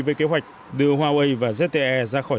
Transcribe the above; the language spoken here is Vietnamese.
với kế hoạch đưa huawei và jte ra khỏi